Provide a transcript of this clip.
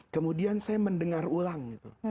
kemudian saya mendengar ucapan saya suka lihat saya ada di sana